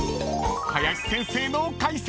［林先生の解説！］